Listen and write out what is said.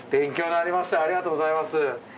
ありがとうございます。